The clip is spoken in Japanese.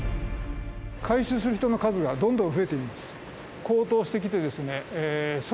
回収する人の数がどんどん増えています。